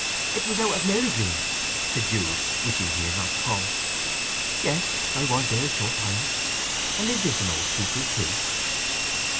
"It was out at Marygreen," said Jude, wishing he had not come. "Yes. I was there a short time. And is this an old pupil, too?"